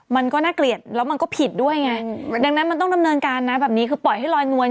มันก็น่าเกลียดแล้วมันก็ผิดด้วยไงดังนั้นมันต้องดำเนินการนะแบบนี้คือปล่อยให้ลอยนวล